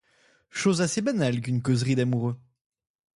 Chose assez banale qu’une causerie d’amoureux.